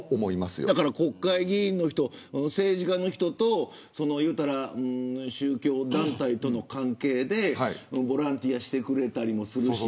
国会議員の人、政治家の人と宗教団体との関係でボランティアしてくれたりもするし。